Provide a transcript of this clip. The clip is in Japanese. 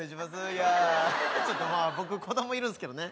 いやちょっとまあ僕子供いるんですけどね